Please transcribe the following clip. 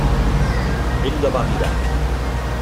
Ell la va mirar.